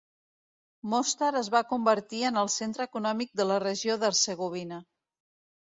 Mostar es va convertir en el centre econòmic de la regió d'Hercegovina.